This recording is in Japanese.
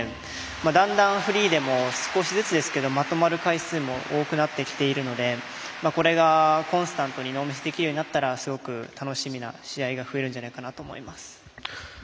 だんだんフリーでも少しずつですけどまとまる回数も多くなってきているのでこれがコンスタントにノーミスできるようになったらすごく楽しみな試合が増えるんじゃないかなと思います。